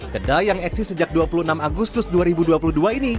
kedai yang eksis sejak dua puluh enam agustus dua ribu dua puluh dua ini